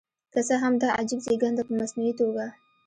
که څه هم دا عجیب زېږېدنه په مصنوعي توګه.